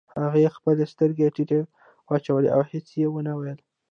هغې خپلې سترګې ټيټې واچولې او هېڅ يې ونه ويل.